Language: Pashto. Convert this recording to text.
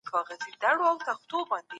هغه وويل چي نرمې خبري ښه دي.